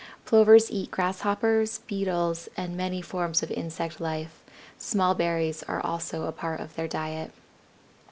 Plovers eat Grasshoppers, Beetles, and many forms of insect life; small berries are also a part of their diet.